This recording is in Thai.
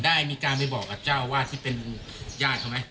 ได้มีการไปบอกกับเจ้าวาดที่เป็นญาติเขาไหม